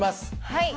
はい。